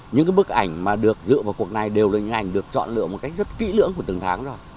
những cái bức ảnh mà được dựa vào cuộc này đều là những ảnh được chọn lựa một cách rất kỹ lưỡng của từng tháng rồi